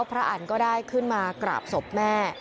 อันก็ได้ขึ้นมากราบศพแม่